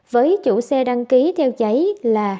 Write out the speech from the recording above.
với chủ xe đăng ký theo giấy là